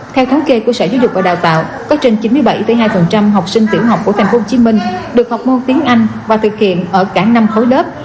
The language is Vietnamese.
theo thống kê của sở giáo dục và đào tạo có trên chín mươi bảy hai học sinh tiểu học của tp hcm được học môn tiếng anh và thực hiện ở cả năm khối lớp